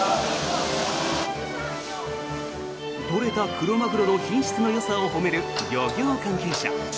取れたクロマグロの品質のよさを褒める漁業関係者。